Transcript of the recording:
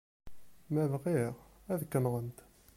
Ma bɣiɣ, ad k-nɣent.